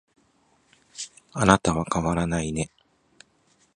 あなたは変わらないね